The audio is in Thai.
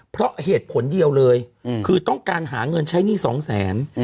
เพราะเหตุผลเดียวเลยคือต้องการหาเงินใช้หนี้สองแสน